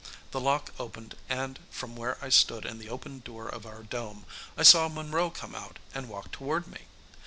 The lock opened and, from where I stood in the open door of our dome, I saw Monroe come out and walk toward me.